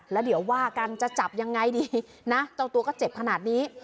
แล้วเดี๋ยวว่ากันจะจับยังไงดีนะเจ้าตัวก็เจ็บขนาดนี้